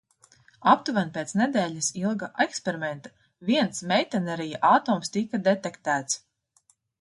Aptuveni pēc nedēļas ilga eksperimenta viens meitnerija atoms tika detektēts.